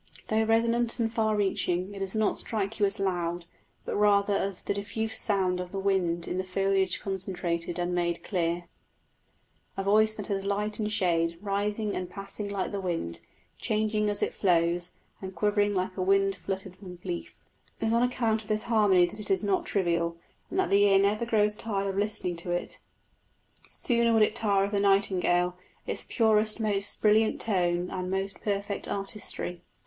Though resonant and far reaching it does not strike you as loud, but rather as the diffused sound of the wind in the foliage concentrated and made clear a voice that has light and shade, rising and passing like the wind, changing as it flows, and quivering like a wind fluttered leaf. It is on account of this harmony that it is not trivial, and that the ear never grows tired of listening to it: sooner would it tire of the nightingale its purest, most brilliant tone and most perfect artistry.